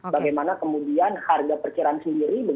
bagaimana kemudian harga perkiraan sendiri